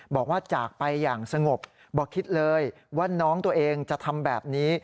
บอกว่าจากไปอย่างสงบบอกคิดเลยว่าน้องตัวเองจะทำแบบนี้